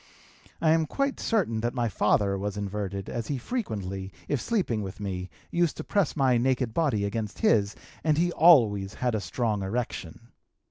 I am quite certain that my father was inverted, as he frequently, if sleeping with me, used to press my naked body against his and he always had a strong erection.